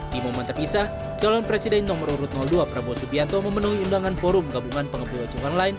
di momen terpisah calon presiden nomor urut dua prabowo subianto memenuhi undangan forum gabungan pengebul ojek online